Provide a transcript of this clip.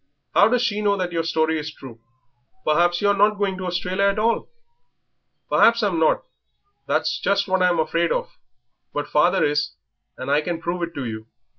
"How does she know that your story is true? Perhaps you are not going to Australia at all." "Perhaps I'm not that's just what I'm afraid of; but father is, and I can prove it to you.